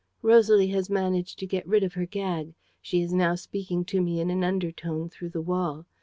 _ "Rosalie has managed to get rid of her gag. She is now speaking to me in an undertone through the wall.